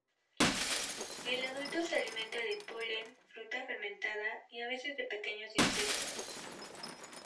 El adulto se alimenta de polen, fruta fermentada y a veces de pequeños insectos.